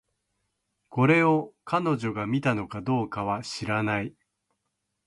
これを、彼女が見たのかどうかは知らない